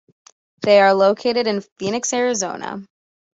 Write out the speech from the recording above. They are located in Phoenix, Arizona.